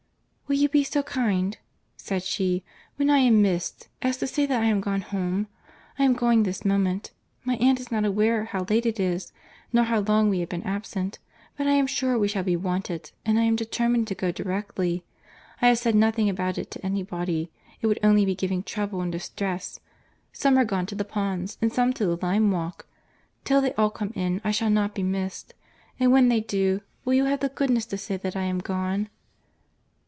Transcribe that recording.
"Will you be so kind," said she, "when I am missed, as to say that I am gone home?—I am going this moment.—My aunt is not aware how late it is, nor how long we have been absent—but I am sure we shall be wanted, and I am determined to go directly.—I have said nothing about it to any body. It would only be giving trouble and distress. Some are gone to the ponds, and some to the lime walk. Till they all come in I shall not be missed; and when they do, will you have the goodness to say that I am gone?"